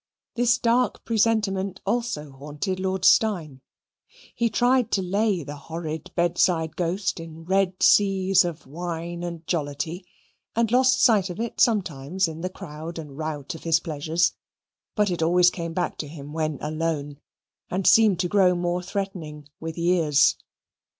This dark presentiment also haunted Lord Steyne. He tried to lay the horrid bedside ghost in Red Seas of wine and jollity, and lost sight of it sometimes in the crowd and rout of his pleasures. But it always came back to him when alone, and seemed to grow more threatening with years.